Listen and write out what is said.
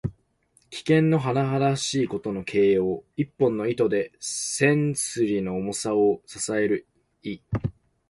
危険のはなはだしいことの形容。一本の糸で千鈞の重さを支える意。